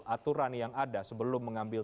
aturan yang ada sebelum mengambil